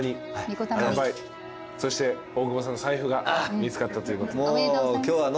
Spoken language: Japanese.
そして大久保さん財布が見つかったということで。